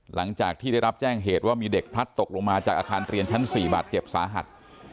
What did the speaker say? หลังจากที่ได้รับแจ้งเหตุว่ามีเด็กพลัดตกลงมาจากอาคารเรียนชั้น๔บาดเจ็บสาหัส